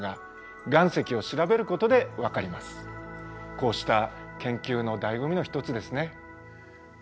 こうした研究のだいご味の一つですね。